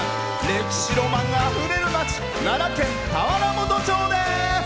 歴史ロマンあふれる町奈良県田原本町です。